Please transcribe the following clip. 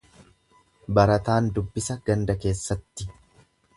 Barataan dubbisa ganda keessatti.